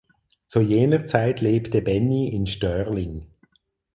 Zu jener Zeit lebte Bennie in Stirling.